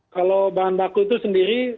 kalau bahan baku itu sendiri